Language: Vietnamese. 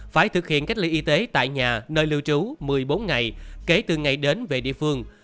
phải thực hiện cách ly y tế tại nhà nơi lưu trú một mươi bốn ngày kể từ ngày đến về địa phương